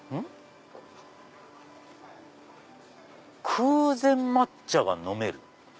「空禅抹茶が飲める」。